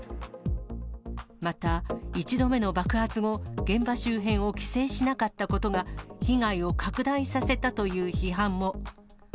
また、１度目の爆発後、現場周辺を規制しなかったことが被害を拡大させたという批判も。